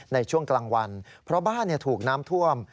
ในช่วงกลางวันเพราะบ้านถูกน้ำท่วม